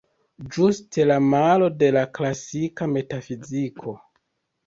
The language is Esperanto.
Ĝuste la malo de la klasika metafiziko.